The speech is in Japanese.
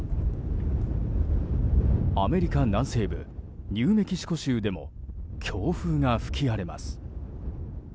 アメリカ南西部ニューメキシコ州でも強風が吹き荒れます。